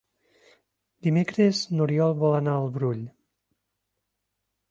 Dimecres n'Oriol vol anar al Brull.